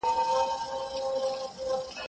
زه پرون ږغ واورېد؟!